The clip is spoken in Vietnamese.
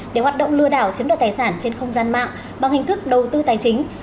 để hoạt động lừa đảo chiếm đoạt tài sản trên không gian mạng bằng hình thức đầu tư tài chính